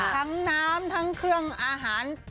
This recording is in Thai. ทั้งน้ำทั้งเครื่องอาหาร